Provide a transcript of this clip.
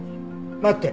待って。